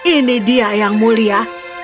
ini dia yang mulia